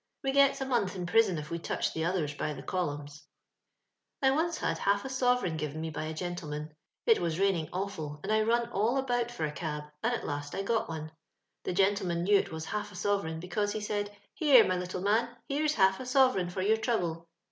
We gets a month in pri^n if we t^ucb the others by the eolnmns. I on^ had half a ^ovcji^tgu give me by a gentleman ; it wa.s raining awful, and I run all about fnr a caK and at Ia;^! I got oiie^ The geutlemoji kcew it was half m sovereign* because he said —* Here, nay little man, here's half a sovf mgn for your trouble.